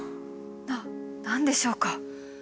な何でしょうか？